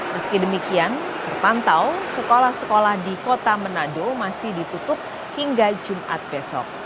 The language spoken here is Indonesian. meski demikian terpantau sekolah sekolah di kota manado masih ditutup hingga jumat besok